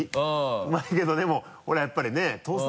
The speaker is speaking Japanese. うまいけどでもやっぱりね土佐